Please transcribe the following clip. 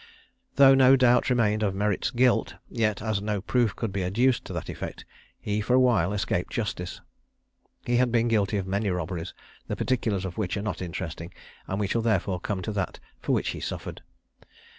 Though no doubt remained of Merritt's guilt, yet, as no proof could be adduced to that effect, he for a while escaped justice. He had been guilty of many robberies, the particulars of which are not interesting, and we shall therefore come to that for which he suffered.